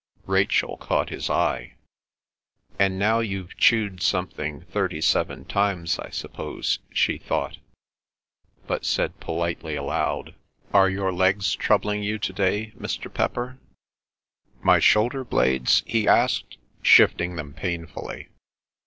Rachel caught his eye. "And now you've chewed something thirty seven times, I suppose?" she thought, but said politely aloud, "Are your legs troubling you to day, Mr. Pepper?" "My shoulder blades?" he asked, shifting them painfully.